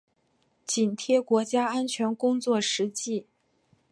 紧贴国家安全工作实际